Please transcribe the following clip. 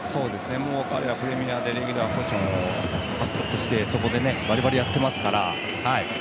彼はプレミアでレギュラーポジションを獲得して、そこでバリバリやっていますから。